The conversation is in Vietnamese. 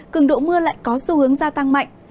cường độ mưa lại có xu hướng gia tăng mạnh